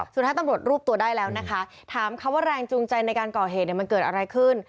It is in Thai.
สุดท้ายตำรวจรวบตัวได้แล้วนะคะถามคำว่าแรงจูงใจในการก่อเหตุมันเกิดอะไรขึ้น